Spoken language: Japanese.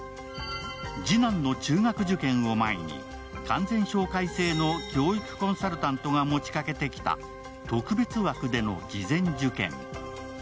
次男の中学受験を前に、完全紹介制の教育コンサルタントが持ちかけてきた特別枠での事前受験。